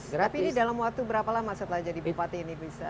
tapi ini dalam waktu berapa lama setelah jadi bupati ini bisa